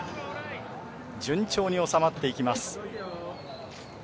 順調に収まっていきます。